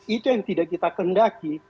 itu yang tidak kita kendaki